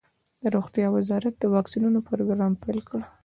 د روغتیا وزارت د واکسینونو پروګرام پیل کړ.